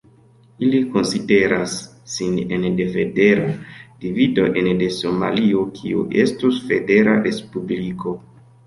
Ili konsideras sin ene de federa divido ene de Somalio kiu estus federa respubliko.